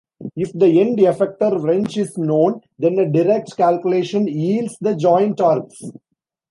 If the end-effector wrench is known, then a direct calculation yields the joint torques.